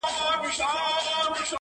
سیاه پوسي ده، شپه لېونۍ ده~